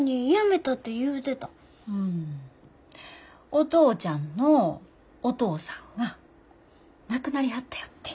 お父ちゃんのお父さんが亡くなりはったよって。